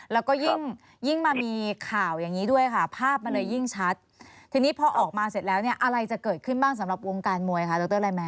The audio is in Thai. แล้วก็ยิ่งมามีข่าวอย่างนี้ด้วยค่ะภาพมันเลยยิ่งชัดทีนี้พอออกมาเสร็จแล้วเนี่ยอะไรจะเกิดขึ้นบ้างสำหรับวงการมวยค่ะดรไลแมน